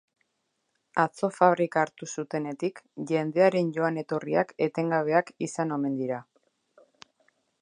Atzo fabrika hartu zutenetik, jendearen joan-etorriak etengabeak izan omen dira.